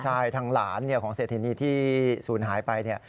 ใช่ทางหลานของเศษฐีที่ศูนย์หายไป